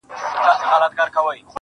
زه تر هغه گړيه روح ته پر سجده پرېوځم~